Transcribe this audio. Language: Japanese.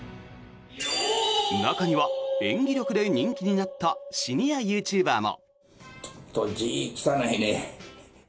中には演技力で人気になったシニアユーチューバーも。